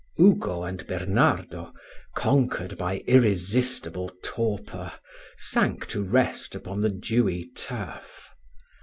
Ugo and Bernardo, conquered by irresistible torpor, sank to rest upon the dewy turf.